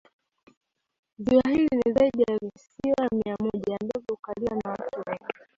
Ziwa hili lina zaidi ya visiwa mia moja ambavyo hukaliwa na watu wengi